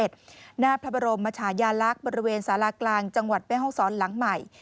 หน้าพระบรมมชายาลักษณ์บริเวณสารากลางจังหวัดแม่ห้องศรหลังใหม่